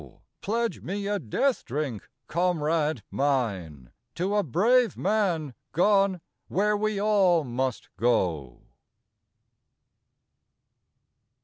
pledge me a death drink, comrade mine, To a brave man gone where we all must go.